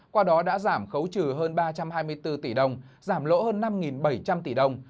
qua đó đã giảm khấu trừ hơn ba trăm hai mươi bốn tỷ đồng giảm lỗ hơn năm bảy trăm linh tỷ đồng